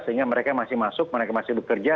sehingga mereka masih masuk mereka masih bekerja